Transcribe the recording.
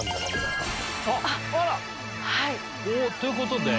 あら！おっということで。